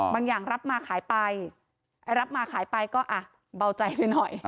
บางอย่างรับมาขายไปรับมาขายไปก็อ่ะเบาใจไปหน่อย